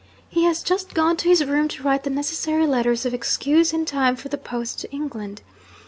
He has just gone to his room to write the necessary letters of excuse in time for the post to England.